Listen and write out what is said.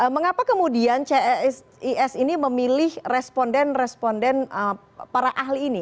mengapa kemudian csis ini memilih responden responden para ahli ini